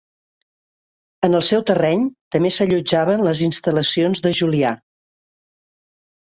En el seu terreny també s'allotjaven les instal·lacions de Julià.